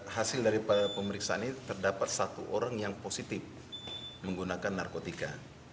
hasil dari pemeriksaan ini terdapat satu orang yang positif menggunakan narkotika